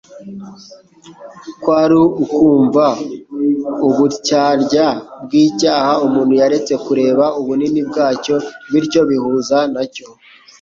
kwari ukumva ubutyarya bw'icyaha umuntu yaretse kureba ubunini bwacyo bityo yihuza na cyo.